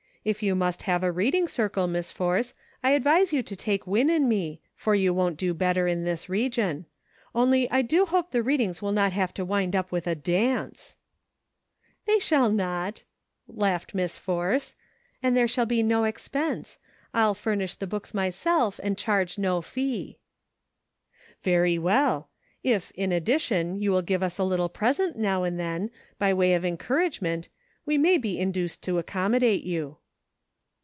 If you must have a reading circle, Miss Force, I advise you to take Win and me, for you won't do better in this region ; only I do hope the readings will not have to wind up with a dance !" "They shall not," laughed Miss Force; "and there shall be no expense ; I'll furnish the books myself and charge no fee." 132 CIRCLES. " Very well ; if, in addition, you will give us a little present now and then, by way of encourage ment, we may be induced to accommodate you."